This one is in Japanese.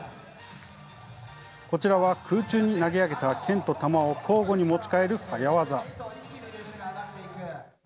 こちらは、空中に投げ上げたけんと玉を交互に持ち替える早業。